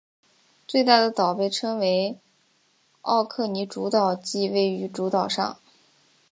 最大的岛被称为奥克尼主岛即位于主岛上。